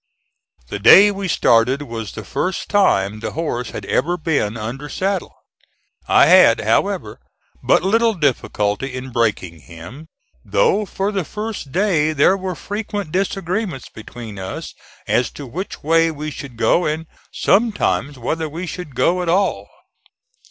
The day we started was the first time the horse had ever been under saddle. I had, however, but little difficulty in breaking him, though for the first day there were frequent disagreements between us as to which way we should go, and sometimes whether we should go at all.